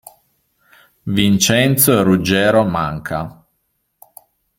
Vincenzo Ruggero Manca